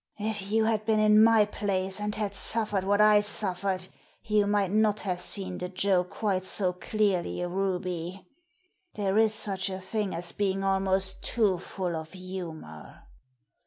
"If you had been in my place, and had suffered what I suffered, you might not have seen the joke quite so clearly, Ruby. There is such a thing as being almost too full of humour."